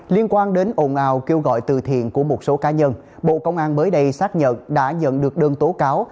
liên quan đến ồn ào kêu gọi từ thiện của một số cá nhân bộ công an mới đây xác nhận đã nhận được đơn tố cáo